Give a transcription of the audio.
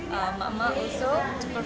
dan mak mak juga